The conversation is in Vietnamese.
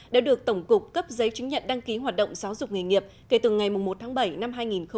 đã được tổng cục cấp giấy chứng nhận đăng ký hoạt động giáo dục nghề nghiệp kể từ ngày một tháng bảy năm hai nghìn hai mươi